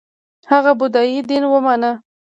هغه بودايي دین ومانه